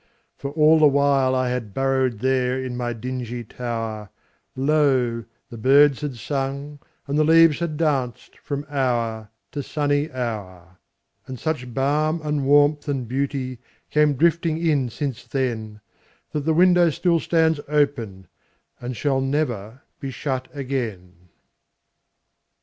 For all the while I had burrowedThere in my dingy tower, Lo! the birds had sung and the leaves had dancedFrom hour to sunny hour. And such balm and warmth and beautyCame drifting in since then, That the window still stands openAnd shall never be shut again.